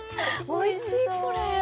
おいしい、これ。